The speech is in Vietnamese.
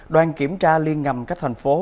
đoàn kiểm tra liên ngầm các thành phố